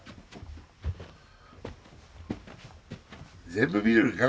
全部見るんか？